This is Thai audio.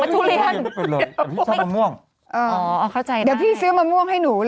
ซื้อให้พี่กินหน่อยดิหนุ่ม